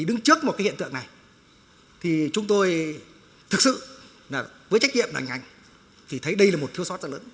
đứng trước một hiện tượng này chúng tôi thực sự với trách nhiệm đoàn ngành thấy đây là một thiếu sót rất lớn